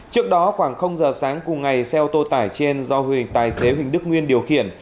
trước đó khoảng giờ sáng cùng ngày xe ô tô tải trên do huỳnh tài xế huỳnh đức nguyên điều khiển